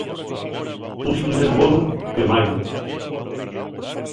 Un xineru bonu, quemáilu.